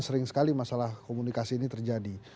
sering sekali masalah komunikasi ini terjadi